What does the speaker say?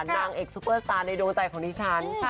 นางเอกซุปเปอร์สตาร์ในดวงใจของดิฉัน